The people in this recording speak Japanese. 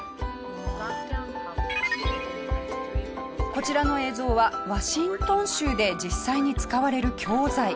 こちらの映像はワシントン州で実際に使われる教材。